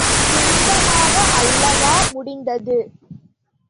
துன்பமாக அல்லவா முடிந்தது?